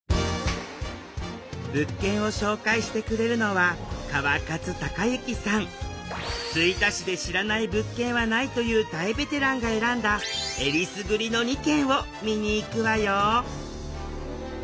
物件を紹介してくれるのは「吹田市で知らない物件はない」という大ベテランが選んだえりすぐりの２軒を見に行くわよ！